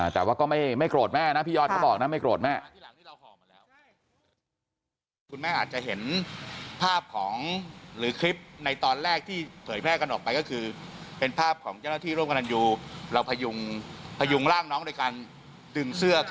แต่ว่าก็ไม่โกรธแม่นะพี่ยอดเขาบอกนะไม่โกรธแม่